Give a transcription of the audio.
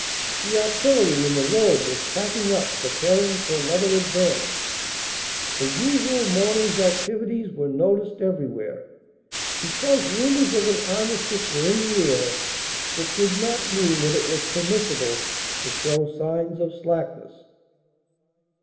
The artillery in the road was packing up pre paring for another advance. The usual morning s activities were noticed everywhere. Because rumors of an armistice were in the air it did not mean that it was permissible to show signs of slackness.